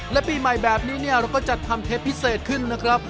และปีใหม่แบบนี้เนี่ยเราก็จัดทำเทปพิเศษขึ้นนะครับ